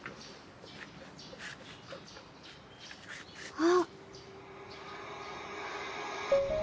あっ。